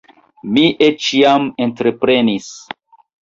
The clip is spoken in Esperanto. Mi eĉ jam entreprenis.